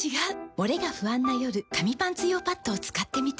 モレが不安な夜紙パンツ用パッドを使ってみた。